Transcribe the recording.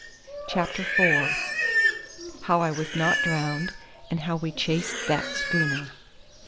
CHAPTER FOUR. HOW I WAS NOT DROWNED, AND HOW WE CHASED THAT SCHOONER.